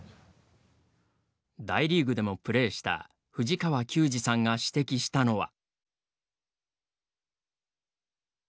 大リーグでもプレーした藤川球児さんが指摘したのは。